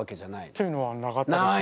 っていうのはなかったです。